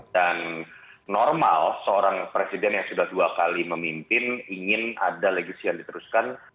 dan normal seorang presiden yang sudah dua kali memimpin ingin ada legisian diteruskan